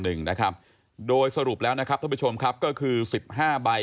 นึงนะครับโดยสรุปแล้วนะครับเสร็จไปชมครับคือสิบห้าใบ